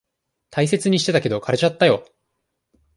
大切にしてたけど、枯れちゃったよ。